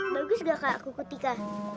bagus nggak kak kuku tika